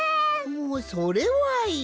おうそれはいい。